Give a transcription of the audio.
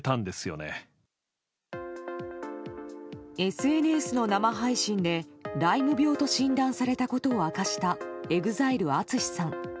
ＳＮＳの生配信で、ライム病と診断されたことを明かしたＥＸＩＬＥＡＴＳＵＳＨＩさん。